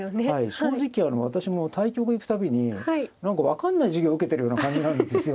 正直私も対局行く度に何か分かんない授業受けてるような感じなんですよね。